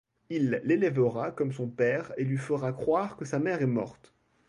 Il l'élèvera comme son père et lui fera croire que sa mère est morte.